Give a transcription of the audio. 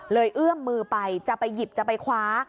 เอื้อมมือไปจะไปหยิบจะไปคว้า